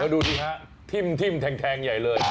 แล้วดูสิค่ะทิ่มแทงใหญ่เลย